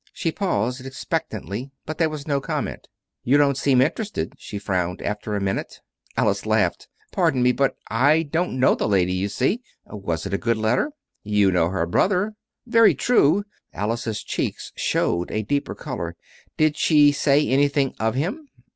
She paused expectantly, but there was no comment. "You don't seem interested," she frowned, after a minute. Alice laughed. "Pardon me, but I don't know the Lady, you see. Was it a good letter?" "You know her brother." "Very true." Alice's cheeks showed a deeper color. "Did she say anything of him?"